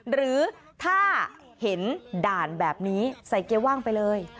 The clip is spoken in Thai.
หรือถ้าเห็นด่านแบบนี้ใส่เกียร์ว่างไปเลย